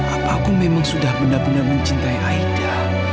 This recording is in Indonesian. apa aku memang sudah benar benar mencintai aida